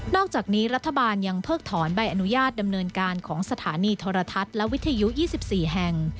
อกจากนี้รัฐบาลยังเพิกถอนใบอนุญาตดำเนินการของสถานีโทรทัศน์และวิทยุ๒๔แห่ง